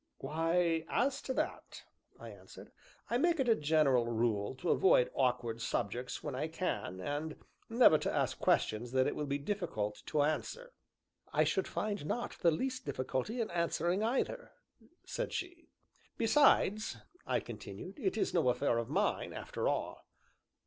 "Why, as to that," I answered, "I make it a general rule to avoid awkward subjects when I can, and never to ask questions that it will be difficult to answer." "I should find not the least difficulty in answering either," said she. "Besides," I continued, "it is no affair of mine, after all."